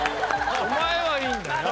お前はいいんだよ！